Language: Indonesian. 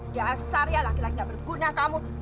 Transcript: jasad ya laki laki gak berguna kamu